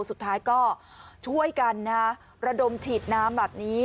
สุดท้ายก็ช่วยกันนะระดมฉีดน้ำแบบนี้